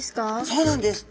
そうなんです。